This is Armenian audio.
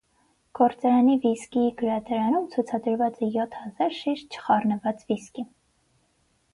Գործարանի «վիսկիի գրադարանում» ցուցադրված է յոթ հազար շիշ չխառնած վիսկի։